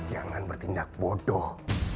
jangan bertindak bodoh